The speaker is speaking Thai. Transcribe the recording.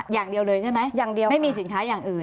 อย่างเดียวเลยใช่ไหมไม่มีสินค้าอย่างอื่น